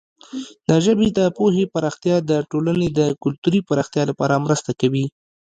د ژبې د پوهې پراختیا د ټولنې د کلتوري پراختیا لپاره مرسته کوي.